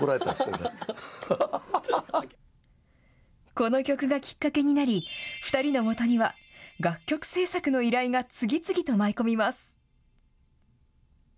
この曲がきっかけになり２人の元には楽曲制作の依頼が次々と舞い込みます。